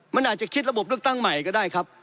มันอาจจะคิดระบบเลือกตั้งใหม่ก็ได้ครับ